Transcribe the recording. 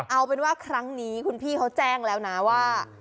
เอาเป็นว่าครั้งนี้คุณพี่เขาแจ้งแล้วนะว่า